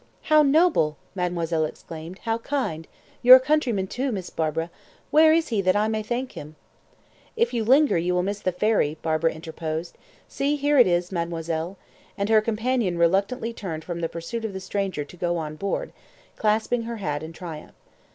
"How noble!" mademoiselle exclaimed. "How kind! Your countryman too, Miss Barbara! Where is he that I may thank him?" "If you linger you will miss the ferry," Barbara interposed. "See, here it is, mademoiselle," and her companion reluctantly turned from the pursuit of the stranger to go on board, clasping her hat in triumph.